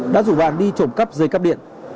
đã rủ bạn đi trộm cắp dây cáp điện